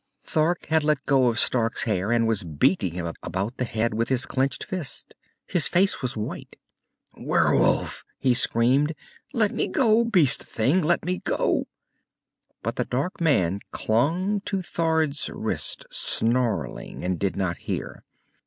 Thord had let go of Stark's hair and was beating him about the head with his clenched fist. His face was white. "Werewolf!" he screamed. "Let me go, beast thing! Let me go!" But the dark man clung to Thord's wrist, snarling, and did not hear.